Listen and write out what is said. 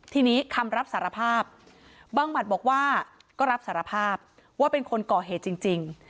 ทีนี้คำรับสารภาพบังหมัดบอกว่าก็รับสารภาพว่าเป็นคนก่อเหตุจริง